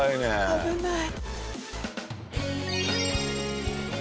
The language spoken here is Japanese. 危ない。